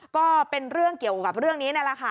ก็เป็นเรื่องเกี่ยวกับเรื่องนี้นั่นแหละค่ะ